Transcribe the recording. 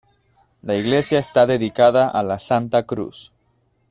La iglesia está dedicada a La Santa Cruz.